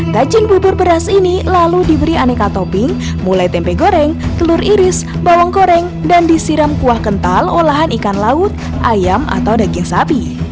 taccing bubur beras ini lalu diberi aneka topping mulai tempe goreng telur iris bawang goreng dan disiram kuah kental olahan ikan laut ayam atau daging sapi